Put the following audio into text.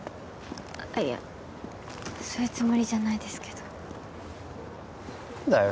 あっいやそういうつもりじゃないですけど何だよ